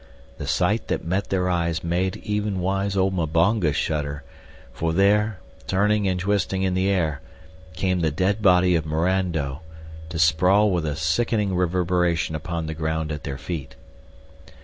The sight that met their eyes made even wise old Mbonga shudder, for there, turning and twisting in the air, came the dead body of Mirando, to sprawl with a sickening reverberation upon the ground at their feet.